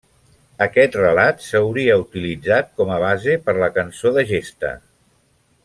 Aquest relat s'hauria utilitzat com a base per a la cançó de gesta.